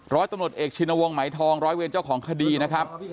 ร้อยตำรวจเอกชินวงศ์ไหมทองร้อยเวรเจ้าของคดีนะครับ